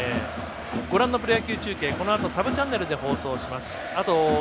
ご覧のプロ野球中継サブチャンネルで放送します。